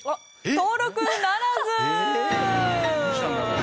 登録ならず。